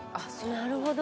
なるほど。